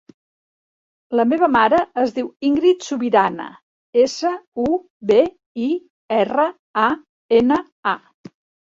La meva mare es diu Íngrid Subirana: essa, u, be, i, erra, a, ena, a.